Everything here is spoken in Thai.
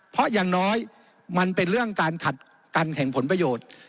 เพราะอย่างน้อยมันเป็นเรื่องการขัดกันแห่งผลประโยชน์